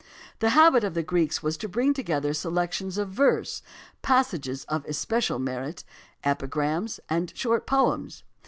The habit of the Greeks was to bring together selec tions of verse, passages of especial merit, epigrams and short poems.